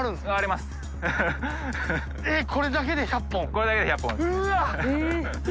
これだけで１００本ですね。